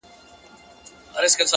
هره شېبه د مثبت بدلون امکان لري.